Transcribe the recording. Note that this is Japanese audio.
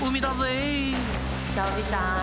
チョビさん！